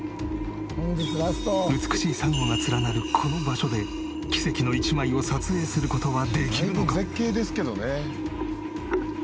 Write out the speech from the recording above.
美しい珊瑚が連なるこの場所で奇跡の一枚を撮影する事はできるのか？